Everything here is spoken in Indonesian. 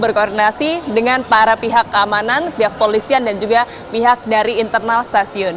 berkoordinasi dengan para pihak keamanan pihak polisian dan juga pihak dari internal stasiun